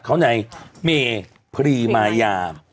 เขาในเมพรีมายา